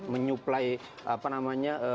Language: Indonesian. menyuplai apa namanya